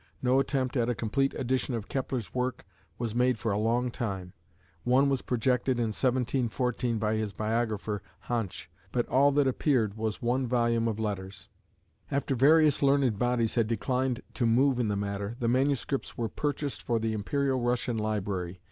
No attempt at a complete edition of Kepler's works was made for a long time. One was projected in 1714 by his biographer, Hantsch, but all that appeared was one volume of letters. After various learned bodies had declined to move in the matter the manuscripts were purchased for the Imperial Russian library.